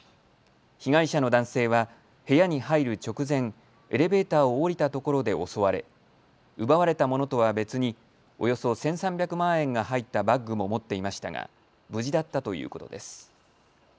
被害者の男性は部屋に入る直前、エレベーターを降りたところで襲われ奪われたものとは別におよそ１３００万円が入ったバッグも持っていましたが無事だったということです。